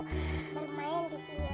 bermain di sini